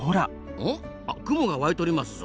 うん？あっ雲が湧いとりますぞ。